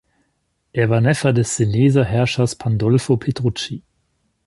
Er war Neffe des Seneser Herrschers Pandolfo Petrucci.